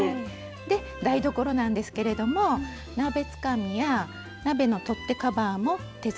で台所なんですけれども鍋つかみや鍋の取っ手カバーも手作りで愛用しています。